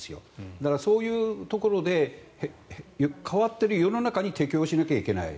だから、そういうところで変わっている世の中に適応しなきゃいけない。